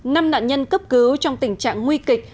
năm nạn nhân cấp cứu trong tình trạng nguy kịch